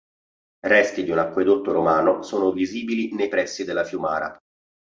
Resti di un acquedotto romano sono visibili nei pressi della fiumara.